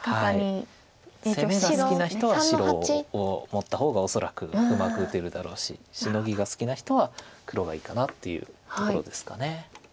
持った方が恐らくうまく打てるだろうしシノギが好きな人は黒がいいかなっていうところですか。